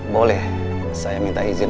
boleh saya minta izin